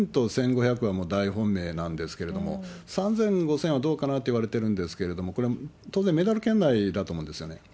１０００と１５００はもう大本命なんですけれども、３０００、５０００はどうかなといわれてるんですけれども、これ、当然メダル圏内だと思うんですよね。